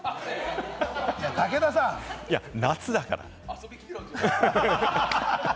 いや、夏だから！